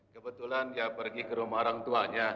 kebetulan dia pergi ke rumah orang tuanya